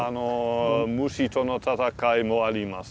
虫との闘いもありますね。